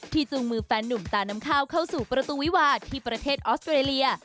จูงมือแฟนนุ่มตานำข้าวเข้าสู่ประตูวิวาที่ประเทศออสเตรเลีย